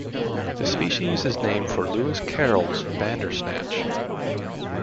The species is named for Lewis Carroll's Bandersnatch.